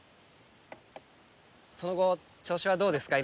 その後調子はどうですか？